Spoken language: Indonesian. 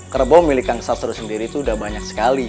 kerbau milik kang sateru sendiri itu udah banyak sekali